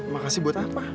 makasih buat apa